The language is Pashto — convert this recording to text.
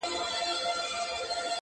دا د ښار د زړه د یوې ښوونځي حال وو